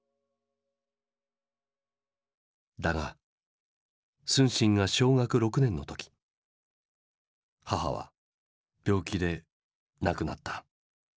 だが承信が小学６年の時母は病気で亡くなった。